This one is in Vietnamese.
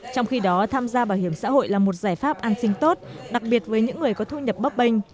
trong khi đó tham gia bảo hiểm xã hội là một giải pháp an sinh tốt đặc biệt với những người có thu nhập bấp bênh